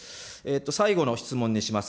最後の質問にします。